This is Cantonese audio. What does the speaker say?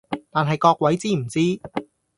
但係各位知唔知